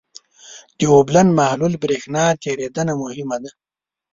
د اوبلن محلول برېښنا تیریدنه مهمه ده.